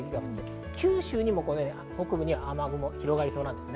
九州にも北部は雨雲が広がりそうです。